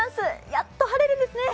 やっと晴れるんですね。